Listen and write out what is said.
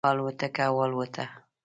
الوتکه والوته.